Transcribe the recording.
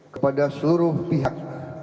kepada seluruh pihak